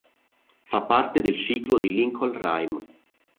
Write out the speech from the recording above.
Fa parte del ciclo di Lincoln Rhyme.